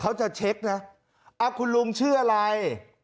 เขาจะเช็คนะคุณลุงชื่ออะไร